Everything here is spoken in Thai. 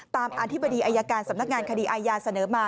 อธิบดีอายการสำนักงานคดีอาญาเสนอมา